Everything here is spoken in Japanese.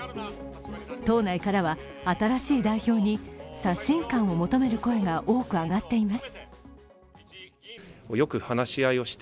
党内からは、新しい代表に刷新感を求める声が多く上がっています。